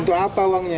untuk apa uangnya